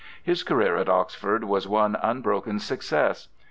His career at Oxford was one unbroken success.